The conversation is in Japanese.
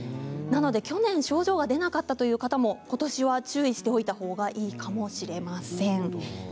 なので去年症状が出なかった方もことしは注意しておいたほうがいいかもしれません。